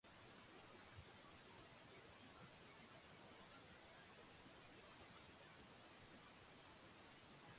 論語に、「子、川のほとりに在りていわく、逝く者はかくの如きかな、昼夜をおかず」とあります